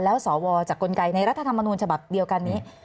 แล้วสวจากกลไกในรัฐธรรมนูญฉบับเดียวกันนี้